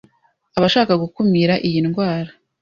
Abashaka gukumira iyi ndwara